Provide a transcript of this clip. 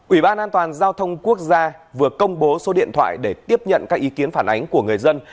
ủy ban an toàn giao thông quốc gia vừa công bố số điện thoại để tiếp nhận các ý kiến phản ánh của người dân